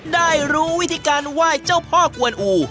ได้รู้วิธีการไหว้เจ้าพ่อกวนอู